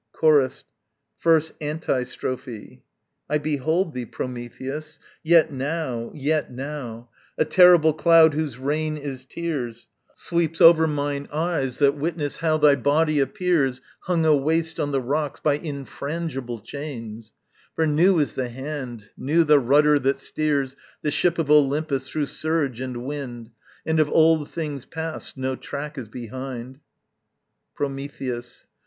Chorus, 1st Antistrophe. I behold thee, Prometheus; yet now, yet now, A terrible cloud whose rain is tears Sweeps over mine eyes that witness how Thy body appears Hung awaste on the rocks by infrangible chains: For new is the Hand, new the rudder that steers The ship of Olympus through surge and wind And of old things passed, no track is behind. _Prometheus.